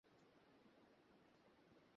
আমি তোমাদের পেছনে আসছি।